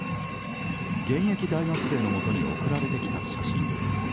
現役大学生のもとに送られてきた写真。